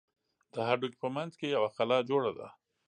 د هډوکي په منځ کښې يوه خلا جوړه ده.